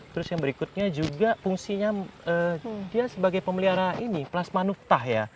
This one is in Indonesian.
terus yang berikutnya juga fungsinya dia sebagai pemelihara ini plasma nuftah ya